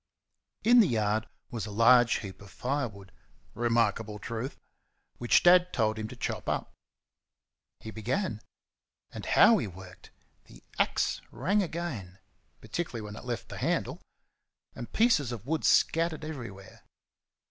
In the yard was a large heap of firewood remarkable truth! which Dad told him to chop up. He began. And how he worked! The axe rang again particularly when it left the handle and pieces of wood scattered everywhere.